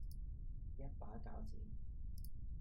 一把鉸剪